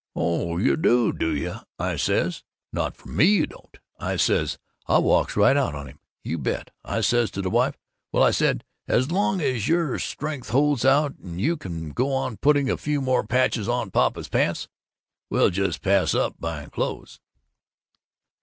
'Oh, you do, do you!' I says. 'Not from me you don't,' I says, and I walks right out on him. You bet! I says to the wife, 'Well,' I said, 'as long as your strength holds out and you can go on putting a few more patches on papa's pants, we'll just pass up buying clothes.